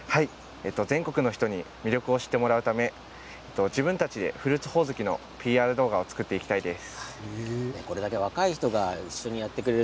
全国の人に魅力を知ってもらうために自分たちでフルーツほおずきのＰＲ動画を作っていきたいです。